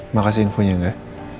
mau kasih infonya gak